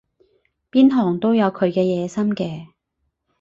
邊行都有佢嘅野心嘅